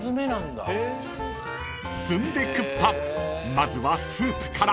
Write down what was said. ［まずはスープから。